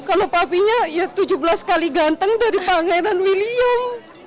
kalau papinya ya tujuh belas kali ganteng dari pangeran william